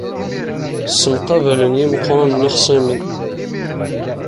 Ssemqabalen yimeqqranen ixṣimen.